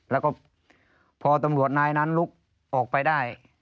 แล้วก็พอตำรวจนายนั้นลุกออกไปได้